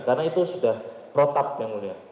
karena itu sudah protak yang mulia